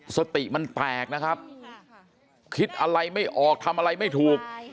สติมันแตกนะครับคิดอะไรไม่ออกทำอะไรไม่ถูก